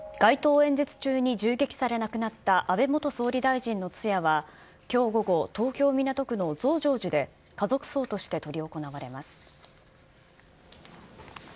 街頭演説中に銃撃され亡くなった安倍元総理大臣の通夜は、きょう午後、東京・港区の増上寺で家族葬として執り行われます。